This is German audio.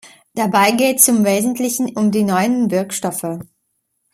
Dabei geht es im Wesentlichen um die neuen Wirkstoffe.